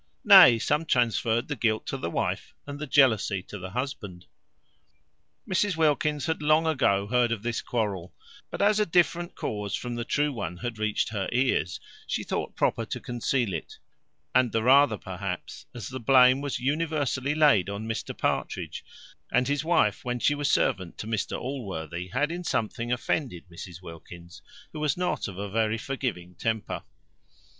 Nay, some transferred the guilt to the wife, and the jealousy to the husband. Mrs Wilkins had long ago heard of this quarrel; but, as a different cause from the true one had reached her ears, she thought proper to conceal it; and the rather, perhaps, as the blame was universally laid on Mr Partridge; and his wife, when she was servant to Mr Allworthy, had in something offended Mrs Wilkins, who was not of a very forgiving temper.